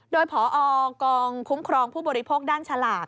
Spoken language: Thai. โดยพอกองคุ้มครองผู้บริโภคด้านฉลาก